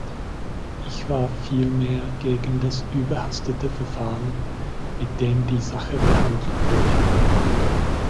Ich war vielmehr gegen das überhastete Verfahren, mit dem die Sache behandelt wurde.